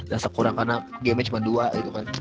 rasa kurang karena game nya cuma dua gitu kan